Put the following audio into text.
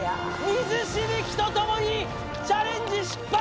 水しぶきとともにチャレンジ失敗